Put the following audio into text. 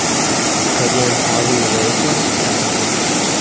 可见曹摅为官善治。